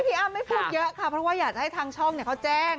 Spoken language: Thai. พี่อ้ำไม่พูดเยอะค่ะเพราะว่าอยากจะให้ทางช่องเขาแจ้ง